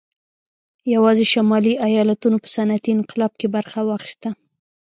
یوازې شمالي ایالتونو په صنعتي انقلاب کې برخه واخیسته